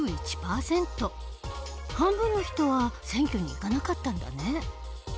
半分の人は選挙に行かなかったんだね。